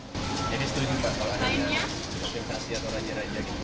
jadi setuju pak kalau anaknya berpengalaman atau raja raja gitu